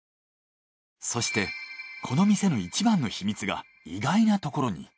そしてこの店の一番の秘密が意外なところに。